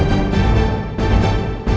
masih ada yang nunggu